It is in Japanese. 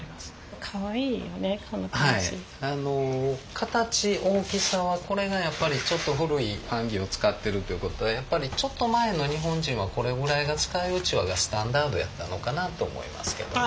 形大きさはこれがやっぱりちょっと古い版木を使ってるっていう事でやっぱりちょっと前の日本人はこれぐらいが使いうちわがスタンダードやったのかなと思いますけどね。